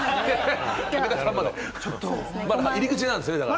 まだ入り口なんですね？